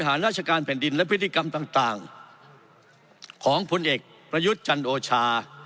ราชการแผ่นดินและพฤติกรรมต่างของพลเอกประยุทธ์จันโอชา